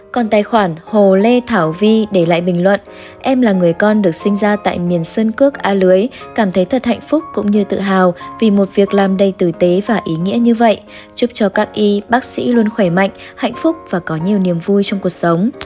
còn tài khoản hồ lê thảo vi để lại bình luận em là người con được sinh ra tại miền sơn cước a lưới cảm thấy thật hạnh phúc cũng như tự hào vì một việc làm đầy tử tế và ý nghĩa như vậy chúc cho các y bác sĩ luôn khỏe mạnh hạnh phúc và có nhiều niềm vui trong cuộc sống